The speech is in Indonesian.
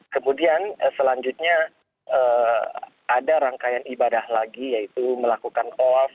kemudian selanjutnya ada rangkaian ibadah lagi yaitu melakukan kolf